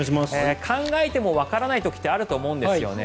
考えてもわからない時ってあると思うんですよね。